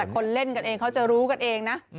คนเล่นกันเองเขาจะรู้กันเองนะ